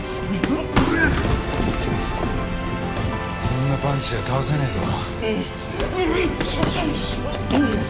そんなパンチじゃ倒せねえぞ。